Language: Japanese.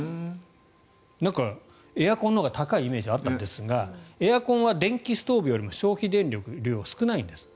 なんか、エアコンのほうが高いイメージがあったんですがエアコンは電気ストーブよりも消費電力が少ないんですって。